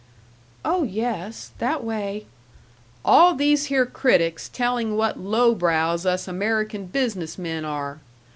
"Oh yes, that way " "All these here critics telling what low brows us American business men are!